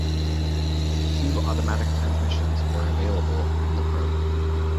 Two automatic transmissions were available in the Probe.